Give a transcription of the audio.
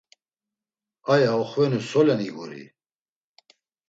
Aya oxvenu solen iguri?